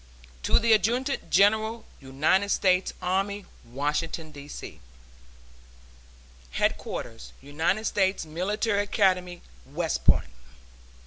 TO THE ADJUTANT GENERAL UNITED STATES ARMY, Washington, D. C. HEADQUARTERS UNITED STATES MILITARY ACADEMY, WEST POINT, N.